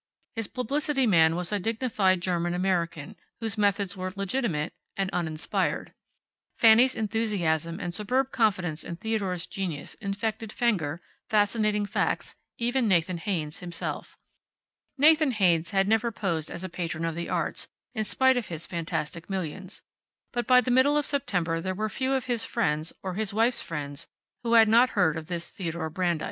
His publicity man was a dignified German American whose methods were legitimate and uninspired. Fanny's enthusiasm and superb confidence in Theodore's genius infected Fenger, Fascinating Facts, even Nathan Haynes himself. Nathan Haynes had never posed as a patron of the arts, in spite of his fantastic millions. But by the middle of September there were few of his friends, or his wife's friends, who had not heard of this Theodore Brandeis.